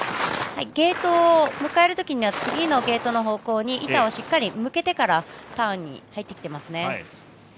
ゲートを迎えるときには次のゲートの方向に板をしっかり向けてからターンに入ってきていますね。